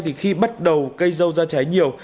thì khi bắt đầu cây dâu ra trái nhiều